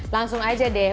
langsung aja deh